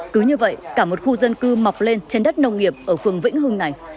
cứ như vậy cả một khu dân cư mọc lên trên đất nông nghiệp ở phường vĩnh hưng này